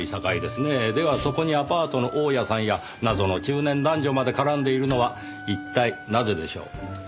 ではそこにアパートの大家さんや謎の中年男女まで絡んでいるのは一体なぜでしょう？